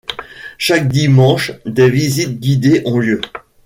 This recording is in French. Chaque dimanche des visites guidées ont lieu.